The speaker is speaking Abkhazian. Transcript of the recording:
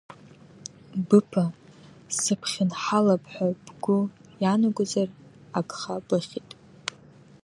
Быԥа, сыбхьынҳалап ҳәа бгәы иаанагозар, агха быхьит.